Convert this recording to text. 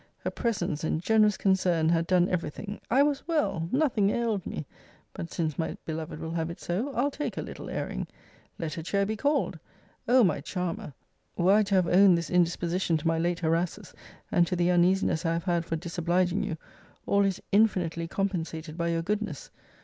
Her presence and generous concern had done every thing. I was well! Nothing ailed me. But since my beloved will have it so, I'll take a little airing! Let a chair be called! O my charmer! were I to have owned this indisposition to my late harasses, and to the uneasiness I have had for disobliging you; all is infinitely compensated by your goodness.